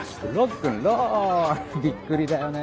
びっくりだよね